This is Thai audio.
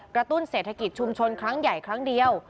ตุ้นเศรษฐกิจชุมชนครั้งใหญ่ครั้งเดียว